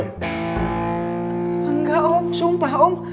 enggak om sumpah om